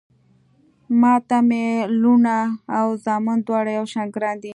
ما ته مې لوڼه او زامن دواړه يو شان ګران دي